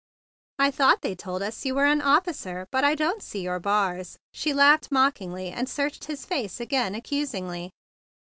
"I thought they told us you were an officer, but I don't see your bars." She laughed mockingly, and searched his face again accusingly.